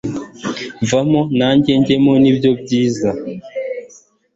vamo nange ngemo nibyo byiza